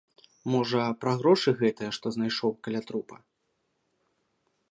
Можа, пра грошы гэтыя, што знайшоў каля трупа?